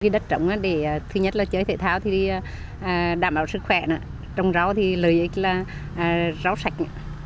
đất trống để thứ nhất là chơi thể thao thì đảm bảo sức khỏe trồng rau thì lợi ích là rau sạch